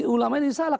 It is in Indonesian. ulama ini salah